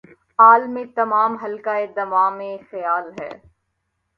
عالم تمام حلقہ دام خیال ھے